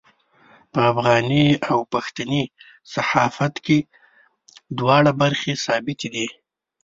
په افغاني او پښتني صحافت کې دواړه برخې ثابتې دي.